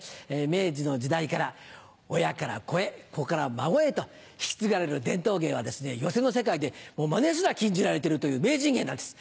明治の時代から親から子へ子から孫へと引き継がれる伝統芸は寄席の世界でマネすら禁じられているという名人芸なんです。